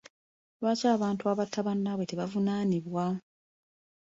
Lwaki abantu abatta bannaabwe tebavunaanibwa?